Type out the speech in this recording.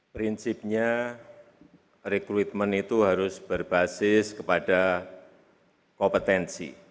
prinsipnya rekrutmen itu harus berbasis kepada kompetensi